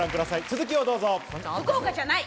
続きをどうぞ。